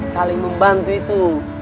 saling membantu itu